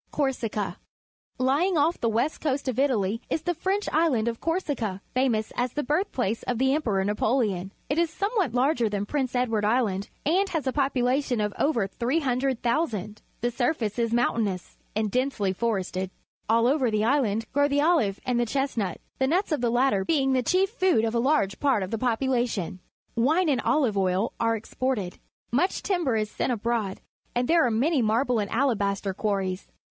Corsica. — Lj ing off the west coast of Italy is the French island of Corsica, famous as the birthplace of the Emperor Njigqleon I. It is somewhat larger than Prince Edward Island and has a population of over 300,000. The surface is moimtainous and densely forested. AU over the island grow the olive and the chestnut, the nuts of the latter being the chief food of a large part of the population. Wine and olive oil are exported. Much timber is sent abroad, and there are many marble and alabaster quarries.